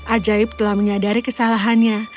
ajaib telah menyadari kesalahannya